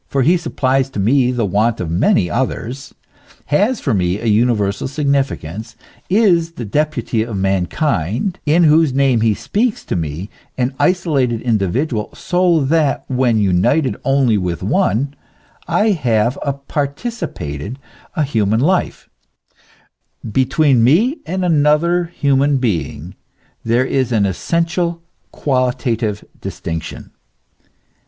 157 he supplies to me the want of many others, has for me a universal significance, is the deputy of mankind, in whose name he speaks to me, an isolated individual, so that, when united only with one, I have a participated, a human life; between me and another human heing there is an essential, qualitative distinction.